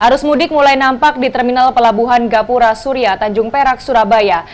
arus mudik mulai nampak di terminal pelabuhan gapura surya tanjung perak surabaya